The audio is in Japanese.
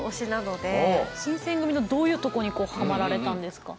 新選組のどういうとこにはまられたんですか？